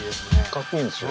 かっこいいんですよ。